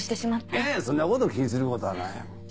いやいやそんなこと気にすることはない。